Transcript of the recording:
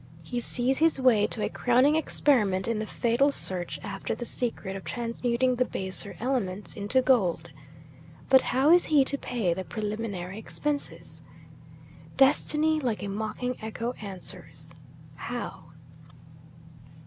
He sees his way to a crowning experiment in the fatal search after the secret of transmuting the baser elements into gold. But how is he to pay the preliminary expenses? Destiny, like a mocking echo, answers, How?